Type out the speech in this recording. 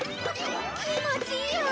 気持ちいいわ！